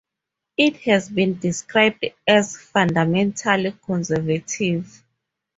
It has been described as "fundamentally conservative".